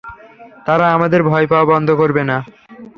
তারা আমাদের ভয় পাওয়া বন্ধ করবে না।